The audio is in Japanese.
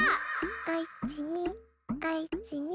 おいちにおいちに。